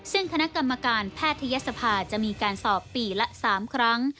ซึ่งคณะกรรมการแพทยศภาจะมีการสอบปีละ๓ครั้ง